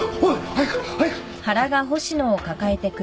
早く！